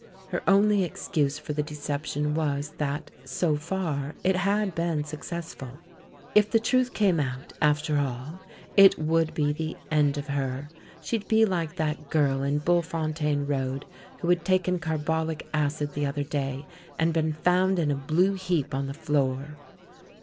Her only excuse for the deception was that, so far, it had been successful. If the tinith came out, after all, it would be the end of her: she'd be like that girl in Bultfontein Road who had taken carbolic acid the other day and been found in a blue heap on the floor!